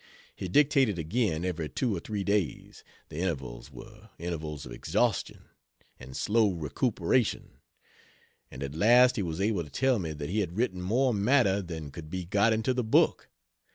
He dictated again, every two or three days the intervals were intervals of exhaustion and slow recuperation and at last he was able to tell me that he had written more matter than could be got into the book.